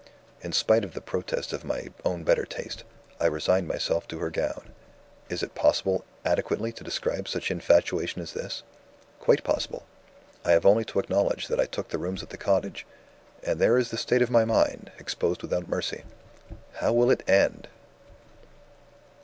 In spite of the protest of my own better taste, I resigned myself to her gown. Is it possible adequately to describe such infatuation as this? Quite possible! I have only to acknowledge that I took the rooms at the cottage and there is the state of my mind, exposed without mercy! "How will it end?"